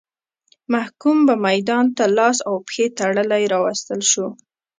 محکوم به میدان ته لاس او پښې تړلی راوستل شو.